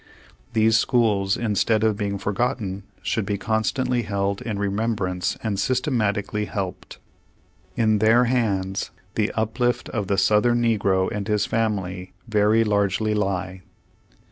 These schools instead of being for gotten, should be constantly held in remembrance and systematically helped. In their hands the uplift of the Southern negro and his family very largely lie.